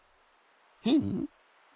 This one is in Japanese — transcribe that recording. へん？